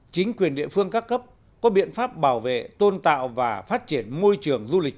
chính quyền địa phương các cấp có biện pháp bảo vệ tôn tạo và phát triển môi trường du lịch